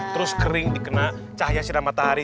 terus kering dikena cahaya siramata hari